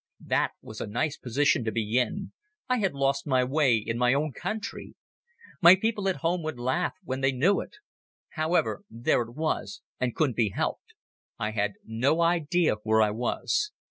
That was a nice position to be in! I had lost my way in my own country! My people at home would laugh when they knew it! However, there it was and couldn't be helped. I had no idea where I was.